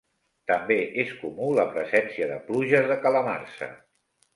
També és comú la presència de pluges de calamarsa.